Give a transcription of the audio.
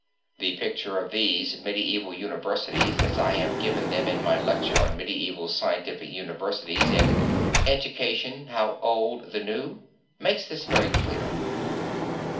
The picture of these medieval universities as I have given them in my lecture on Medieval Scientific Universities, in "Education, How Old the New," makes this very clear.